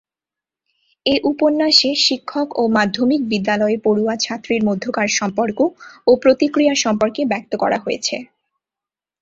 এ উপন্যাসে শিক্ষক ও মাধ্যমিক বিদ্যালয়ে পড়ুয়া ছাত্রীর মধ্যকার সম্পর্ক ও প্রতিক্রিয়া সম্পর্কে ব্যক্ত করা হয়েছে।